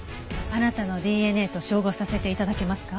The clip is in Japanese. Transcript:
あなたのＤＮＡと照合させて頂けますか？